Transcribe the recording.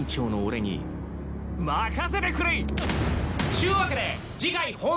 ［ちゅうわけで］